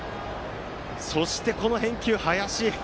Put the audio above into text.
そして、林の返球。